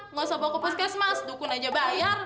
nggak usah bawa ke puskesmas dukun aja bayar